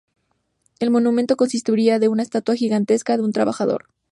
El monumento consistiría de una estatua gigantesca de un trabajador.